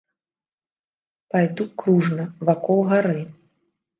Пайду кружна, вакол гары.